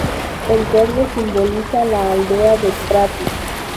El verde simboliza la aldea de Prati.